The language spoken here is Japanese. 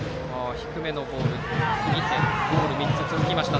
低めのボールを見てボールが３つ続きました。